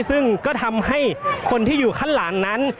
ซึ่งก็ทำให้คนที่อยู่ข้างหลังนั้น